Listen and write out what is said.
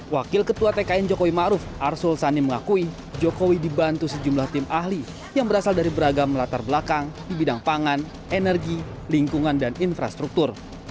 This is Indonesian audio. wakil ketua tkn jokowi ⁇ maruf ⁇ arsul sani mengakui jokowi dibantu sejumlah tim ahli yang berasal dari beragam latar belakang di bidang pangan energi lingkungan dan infrastruktur